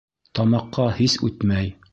Тамаҡҡа һис үтмәй.